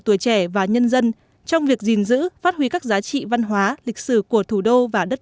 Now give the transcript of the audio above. tuổi trẻ và nhân dân trong việc gìn giữ phát huy các giá trị văn hóa lịch sử của thủ đô và đất